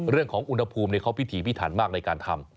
เรื่องของอุณหภูมิเขาพิถีพิถันมากในการทำ